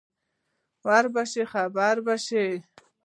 ور به شې خبر به شې.